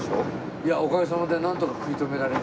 いやおかげさまでなんとか食い止められましたね。